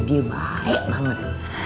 dia baik banget